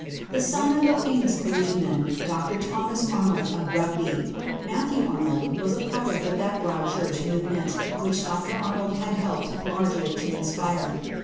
The son of a famous clergyman, Dr Thomas Arnold of Rugby, Matthew Arnold was a product of that Broad Church movement which Dr Arnold had helped largely to inspire.